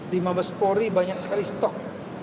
di mabes polri banyak sekali stok